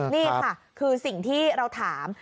นี่ค่ะคือสิ่งที่เราถาม